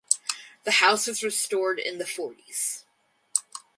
The house was restored in the forties.